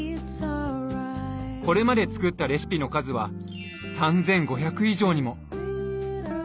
これまで作ったレシピの数は３，５００以上にも。